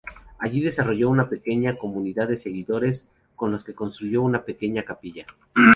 Allí desarrolló una pequeña comunidad de seguidores, con los que construyó una pequeña capilla.